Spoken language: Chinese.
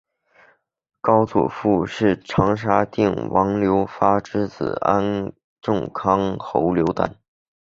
高祖父是长沙定王刘发之子安众康侯刘丹。